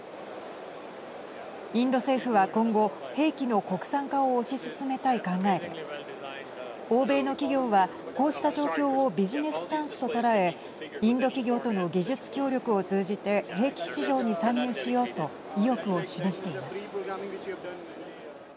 インド政府は今後兵器の国産化を推し進めたい考えで欧米の企業は、こうした状況をビジネスチャンスと捉えインド企業との技術協力を通じて兵器市場に参入しようと意欲を示しています。